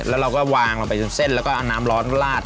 แล้วเราก็วางลงไปจนเส้นแล้วก็เอาน้ำร้อนลาด